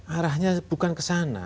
arahnya bukan ke sana